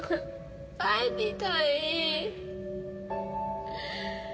帰りたい。